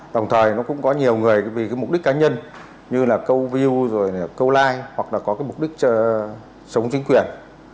đồng thời cũng có nhiều người vì mục đích cá nhân như câu view câu like hoặc là có mục đích sống chính quyền